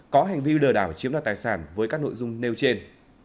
có hành vi lừa đảo chiếm đoạt tài sản với các nội dung nêu trên